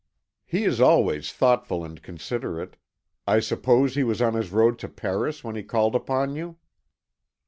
"He is always thoughtful and considerate. I suppose he was on his road to Paris when he called upon you."